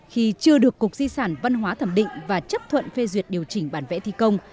khi chưa được cục di sản văn hóa thẩm định và chấp thuận phê duyệt điều chỉnh bản vẽ thi công